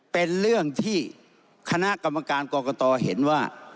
เป็นเรื่องที่คณะกรรมการกรกตเห็นว่า